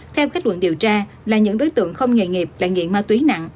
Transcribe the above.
theo khách luận điều tra là những đối tượng không nghề nghiệp là nghiện ma túy nặng